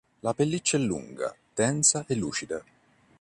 La pelliccia è lunga, densa e lucida.